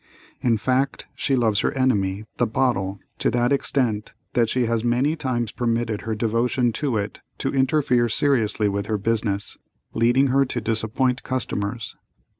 In fact, she loves her enemy, the bottle, to that extent, that she has many times permitted her devotion to it to interfere seriously with her business, leading her to disappoint customers.